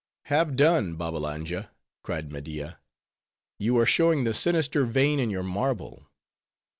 "Have done, Babbalanja!" cried Media; "you are showing the sinister vein in your marble.